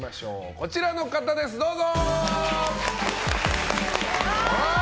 こちらの方です、どうぞ！